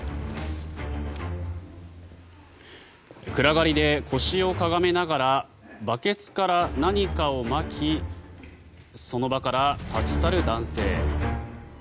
暗がりで腰をかがめながらバケツから何かをまきその場から立ち去る男性。